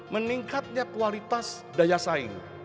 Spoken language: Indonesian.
meningkatnya kualitas daya saing